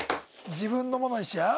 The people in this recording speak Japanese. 自分のものにしちゃう？